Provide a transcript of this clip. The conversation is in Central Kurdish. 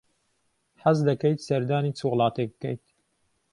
حەز دەکەیت سەردانی چ وڵاتێک بکەیت؟